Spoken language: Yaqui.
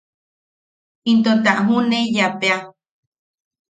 Into ta juʼuneiyapea.